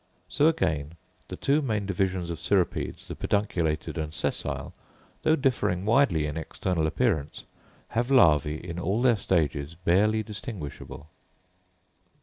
So again the two main divisions of cirripedes, the pedunculated and sessile, though differing widely in external appearance, have larvæ in all their stages barely distinguishable.